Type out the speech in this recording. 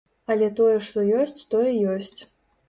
Але тое, што ёсць, тое ёсць.